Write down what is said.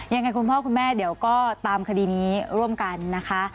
ยังไงคุณพ่อคุณแม่เดี๋ยวก็ตามคดีนี้ร่วมกันนะคะ